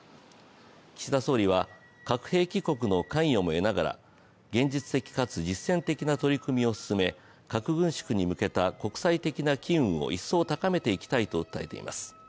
岸田総理は核兵器国の関与も得ながら現実的かつ実践的な取り組みを進め、核軍縮に向けた国際的な機運を一層高めていきたいと訴えています。